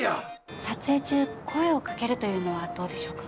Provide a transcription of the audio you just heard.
撮影中声をかけるというのはどうでしょうか？